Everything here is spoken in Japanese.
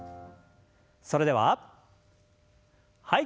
それでははい。